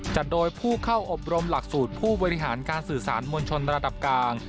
จัดโดยผู้เข้าอบรมหลักสูตรผู้บริหารการสื่อสารมวลชนระดับกลาง